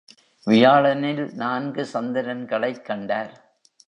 வியாழனில் நான்கு சந்திரன்களைக் கண்டார்!